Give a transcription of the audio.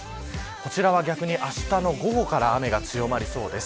こちらは逆に、あしたの午後から雨が強まりそうです。